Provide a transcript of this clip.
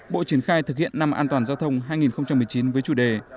bộ triển khai thực hiện năm an toàn giao thông hai nghìn một mươi chín với chủ đề